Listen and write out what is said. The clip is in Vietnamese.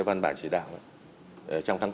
văn bản chỉ đạo trong tháng bốn